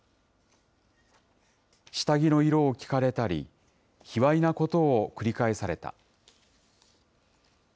下着の色を聞かれたり、卑わいなことを繰り返された。